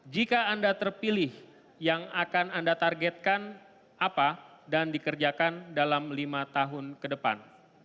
jika anda terpilih yang akan anda targetkan apa dan dikerjakan dalam lima tahun ke depan